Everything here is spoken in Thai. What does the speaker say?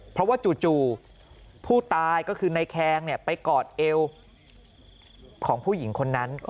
เพราะว่าจู่ผู้ตายก็คือในแคงไปกอดเอวของผู้หญิงคนนั้น